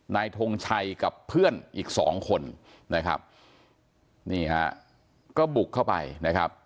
ทงชัยกับเพื่อนอีกสองคนนะครับนี่ฮะก็บุกเข้าไปนะครับ